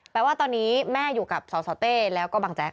แปลว่าตอนนี้แม่อยู่กับสสเต้แล้วก็บังแจ๊